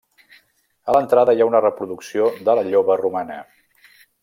A l'entrada hi ha una reproducció de la lloba romana.